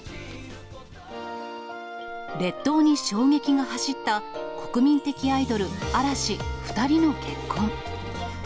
列島に衝撃が走った国民的アイドル、嵐、２人の結婚。